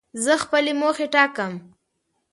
زه خپلي موخي ټاکم.